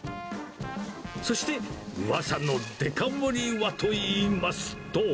そしてうわさのデカ盛りはといいますと。